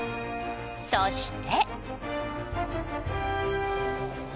そして。